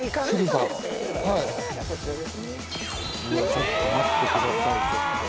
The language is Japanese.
ちょっと待ってくださいちょっと。